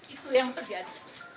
itu yang terjadi